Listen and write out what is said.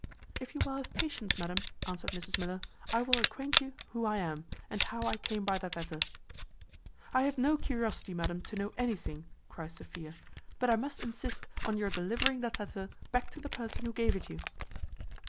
"If you will have patience, madam," answered Mrs Miller, "I will acquaint you who I am, and how I came by that letter." "I have no curiosity, madam, to know anything," cries Sophia; "but I must insist on your delivering that letter back to the person who gave it you."